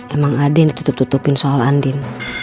emang ada yang ditutup tutupin soalan din